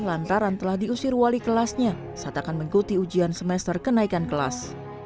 lantaran telah diusir wali kelasnya saat akan mengikuti ujian semester kenaikan kelas